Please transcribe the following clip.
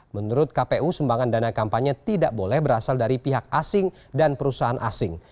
menurut kpu sumbangan dana kampanye tidak boleh berasal dari pihak asing dan perusahaan asing